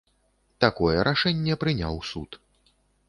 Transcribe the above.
Такое рашэнне прыняў суд.